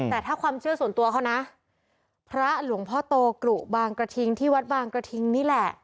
แต่ถ้าความเชื่อส่วนตัวเขานะพระหลวงพ่อโตกรุบางกระทิงที่วัดบางกระทิงนี่แหละ